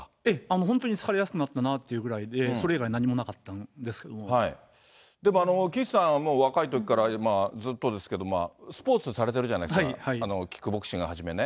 本当に疲れやすくなったなぐらいで、それ以外、なんにもなかでも岸さんは、若いときからずっとですけど、スポーツされてるじゃないですか、キックボクシングをはじめね。